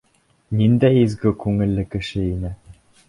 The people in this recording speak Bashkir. Ниндәй изге күңелле кеше ине!